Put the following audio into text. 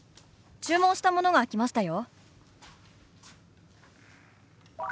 注文したものが来ましたよ」。